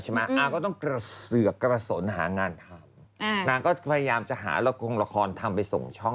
อเจมส์ออน้ำอ้อยเขาบอกว่าน้ำไม่ได้สร้างกระแส